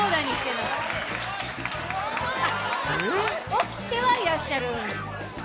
起きてはいらっしゃる